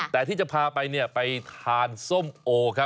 แต่ที่จะพาไปนี่ไปทานส้มโอ